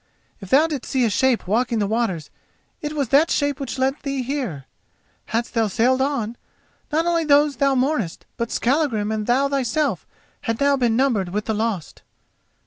If thou didst see a shape walking the waters it was that shape which led thee here. Hadst thou sailed on, not only those thou mournest, but Skallagrim and thou thyself had now been numbered with the lost."